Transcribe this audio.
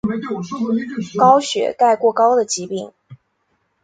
高血钙过高的疾病。